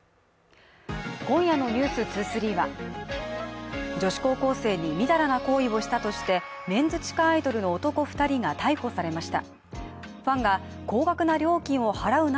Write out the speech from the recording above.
今夜の「ｎｅｗｓ２３」は女子高校生にみだらな行為をしたとしてメンズ地下アイドルの男二人が逮捕されました